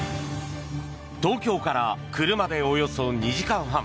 東京から車でおよそ２時間半。